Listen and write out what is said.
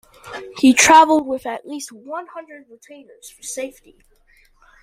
He travelled with at least one hundred retainers for safety.